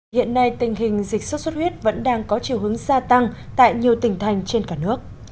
hiện nay tình hình dịch sốt xuất huyết vẫn đang có chiều hướng gia tăng tại nhiều tỉnh thành trên cả nước